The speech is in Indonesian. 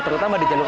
terutama di jepang